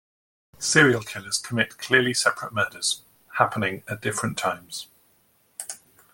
Serial killers commit clearly separate murders, happening at different times.